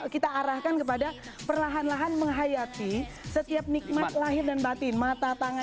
siapa tau nanti bisa berbagi inspirasi juga